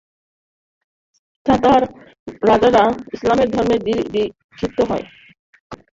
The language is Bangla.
তাতার রাজারা ইসলাম ধর্মে দীক্ষিত হয় এবং সুন্নত অনুসারে জীবন যাপনে প্রয়াসী হয়।